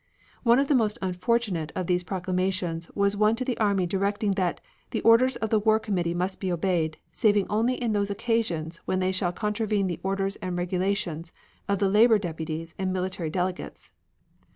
One of the most unfortunate of these proclamations was one to the army directing that "the orders of the War Committee must be obeyed, saving only on those occasions when they shall contravene the orders and regulations of the labor deputies and military delegates."